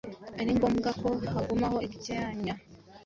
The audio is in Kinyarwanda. ari ngombwa ko hagumaho ibyanya